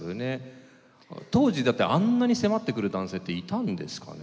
当時だってあんなに迫ってくる男性っていたんですかね？